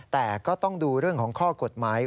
แต่ก็ต้องดูเรื่องของข้อกฎหมาย